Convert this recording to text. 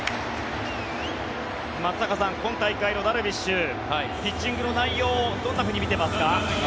松坂さん、今大会のダルビッシュピッチングの内容どんなふうに見てますか。